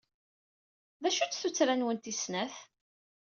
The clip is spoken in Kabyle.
D acu-tt tuttra-nwen tis snat?